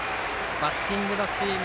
バッティングのチーム。